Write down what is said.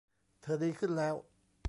เธอดีขึ้นแล้ว